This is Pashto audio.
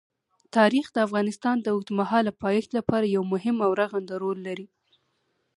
تاریخ د افغانستان د اوږدمهاله پایښت لپاره یو مهم او رغنده رول لري.